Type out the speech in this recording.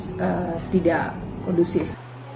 kam timas tidak kondusif